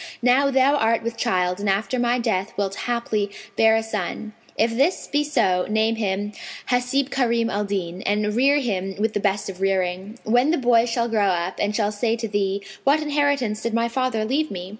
Now thou art with child and after my death wilt haply bear a son: if this be so, name him Hαsib Karνm al Dνn[FN#508] and rear him with the best of rearing. When the boy shall grow up and shall say to thee, 'What inheritance did my father leave me?''